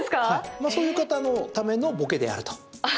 まあ、そういう方のためのボケであると。